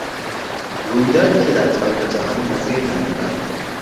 رویدادی که در تاریخ جهان نظیر ندارد